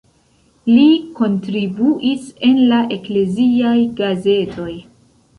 Li kontribuis en la ekleziaj gazetoj.